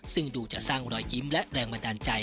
ซึ่งดูจะสร้างรอยยิ้มและแรงบันดาลใจ